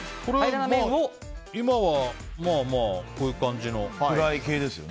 今は、まあこういう感じの。